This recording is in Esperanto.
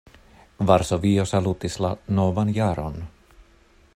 Varsovio salutis la novan jaron.